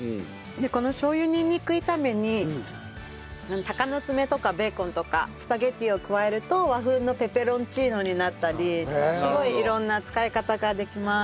このしょう油にんにく炒めに鷹の爪とかベーコンとかスパゲティを加えると和風のペペロンチーノになったりすごい色んな使い方ができます。